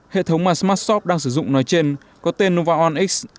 hệ thống mà smartshop đang sử dụng nói trên có tên novaonx